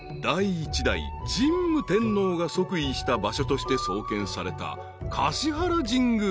［第一代神武天皇が即位した場所として創建された］